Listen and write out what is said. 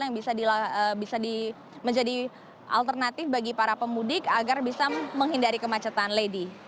yang bisa menjadi alternatif bagi para pemudik agar bisa menghindari kemacetan lady